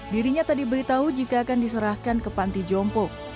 dirinya tak diberitahu jika akan diserahkan ke panti jompo